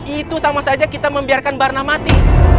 itu sama saja kita membiarkan barna mati